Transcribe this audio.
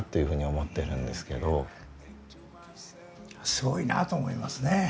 すごいなと思いますね。